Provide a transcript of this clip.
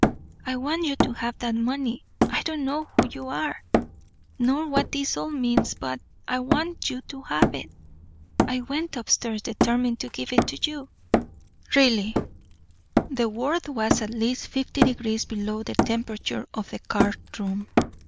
I want you to have that money. I don't know who you are, nor what this all means, but I want you to have it. I went up stairs determined to give it to you " "Really." The word was at least fifty degrees below the temperature of the card room.